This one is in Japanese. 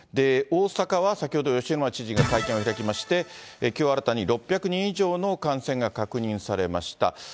大阪は先ほど吉村知事が会見を開きまして、きょう新たに６００人以上の感染が確認されました。